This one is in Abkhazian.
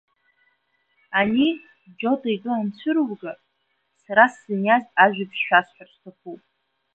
Ани, Џьота итәы анцәыруга, сара сзыниаз ажәабжь шәасҳәарц сҭахуп…